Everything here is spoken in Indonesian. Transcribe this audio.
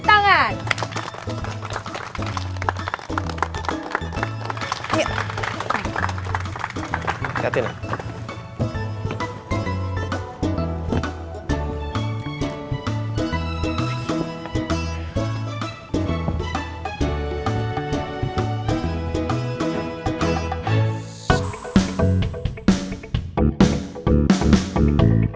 jangan behaviour bunyi